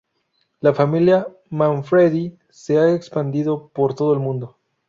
La familia Manfredi se ha expandido por todo el mundo.